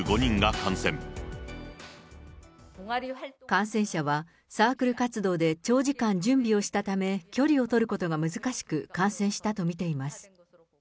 感染者はサークル活動で長時間準備をしたため距離を取ることが難しく、感染したと見ています。